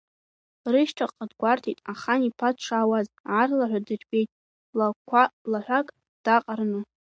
Рышьҭахьҟа дгәарҭеит ахан-иԥа дшаауаз, аарлаҳәа дырбеит, лаҳәак даҟараны.